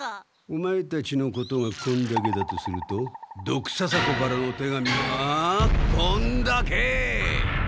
オマエたちのことがこんだけだとするとドクササコからのお手紙はこんだけ！